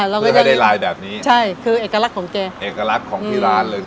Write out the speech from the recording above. แล้วก็ไม่ได้ลายแบบนี้ใช่คือเอกลักษณ์ของเจเอกลักษณ์ของที่ร้านเลย